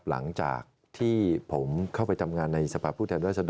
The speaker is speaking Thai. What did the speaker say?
หลังจากที่ผมเข้าไปทำงานในสภาพผู้แทนรัศดร